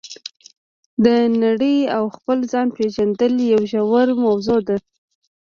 د نړۍ او خپل ځان پېژندل یوه ژوره موضوع ده.